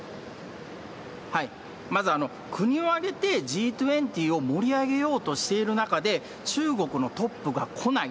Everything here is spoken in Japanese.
まず、国を挙げてＧ２０を盛り上げようとしている中で、中国のトップが来ない。